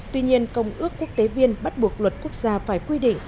tuy nhiên công ước quốc tế viên bắt buộc luật quốc gia phải quy định